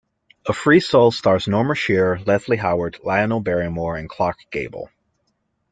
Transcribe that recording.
"A Free Soul" stars Norma Shearer, Leslie Howard, Lionel Barrymore, and Clark Gable.